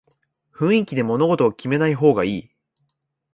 雰囲気で物事を決めない方がいい